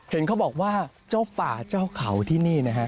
เห็นเขาบอกว่าเจ้าป่าเจ้าเขาที่นี่นะฮะ